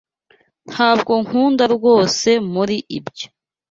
Ntabwo nkunda rwose muri ibyo.